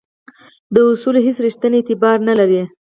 دا اصول هیڅ ریښتینی اعتبار نه لري.